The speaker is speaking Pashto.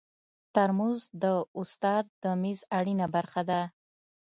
ترموز د استاد د میز اړینه برخه ده.